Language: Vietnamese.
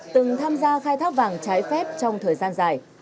từng tham gia khai thác vàng trái phép trong thời gian dài